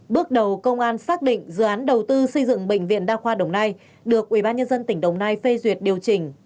bước đầu công an xác định dự án đầu tư xây dựng bệnh viện đa khoa đồng nai được ubnd tỉnh đồng nai phê duyệt điều chỉnh